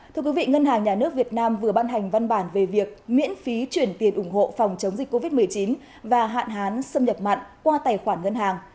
thưa quý vị ngân hàng nhà nước việt nam vừa ban hành văn bản về việc miễn phí chuyển tiền ủng hộ phòng chống dịch covid một mươi chín và hạn hán xâm nhập mặn qua tài khoản ngân hàng